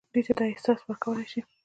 دوی ته دا احساس ورکولای شي.